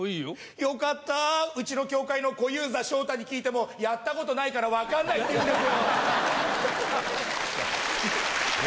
よかったー、うちの協会の小遊三、昇太に聞いても、やったことないから分かんないって言うんですよ。